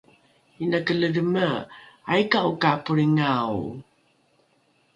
inake ledheme aika’o ka polringao?